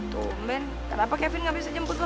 tumben kenapa kevin gak bisa jemput lo